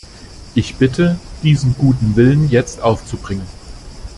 Ich bitte, diesen guten Willen jetzt aufzubringen!